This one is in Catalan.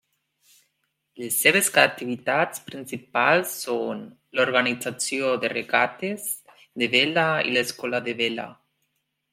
Les seves activitats principals són: l'organització de regates de vela i l'escola de vela.